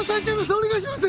お願いします！